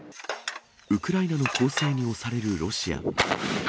ウクライナの攻勢に押されるロシア。